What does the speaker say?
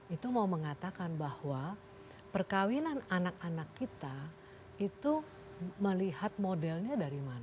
itu mau mengatakan bahwa perkawinan anak anak kita itu melihat modelnya dari mana